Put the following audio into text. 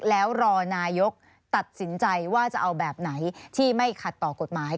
แล้วรอนายกตัดสินใจว่าจะเอาแบบไหนที่ไม่ขัดต่อกฎหมาย